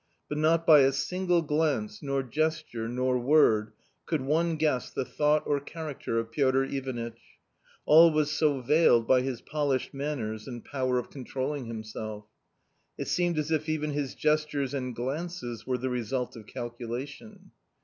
But not by a single glance T n or_ gesture^ jaflauxgrd could one puess ffife tnought or character oF Piotr IvanitcK— all'was s o veiled by his polished manners and powjer of controllin g s h imsel f. It sefcmed as if even his gestures and glances were the result of calculation.